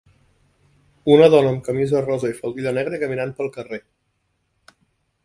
Una dona amb camisa rosa i faldilla negra caminant pel carrer.